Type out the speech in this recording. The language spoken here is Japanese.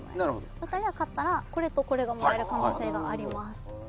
お二人が勝ったらこれとこれがもらえる可能性があります。